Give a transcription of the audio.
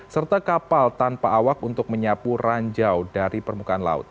serta kapal tanpa awak untuk mengembangkan kapal